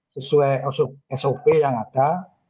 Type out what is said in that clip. sesuai sop yang ada